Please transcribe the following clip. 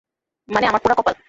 মানে আমার পোড়া কপাল।